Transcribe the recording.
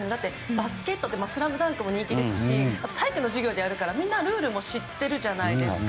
バスケットって「ＳＬＡＭＤＵＮＫ」も人気ですし体育の授業でもやるからみんなルールも知ってるじゃないですか。